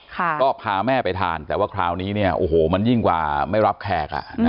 ก็พาแม่ไปทานแต่ว่าคราวนี้เนี่ยโอ้โหมันยิ่งกว่าไม่รับแขก